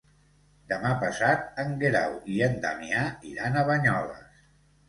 Demà passat en Guerau i en Damià iran a Banyoles.